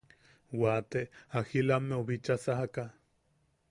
Waate agilammeu bicha sajaka.